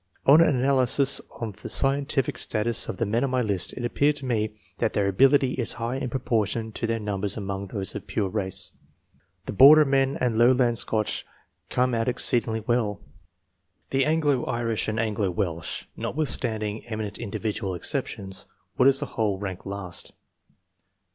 On an analysis of the scientific status of the men on my list, it appeared to me that their ability is higher in proportion to their numbers among those of pure race. The Border men and lowland Scotch come out exceedingly well; the Anglo Irish and Anglo Welsh, notwithstanding emi nent individual exceptions, would as a whole rank last.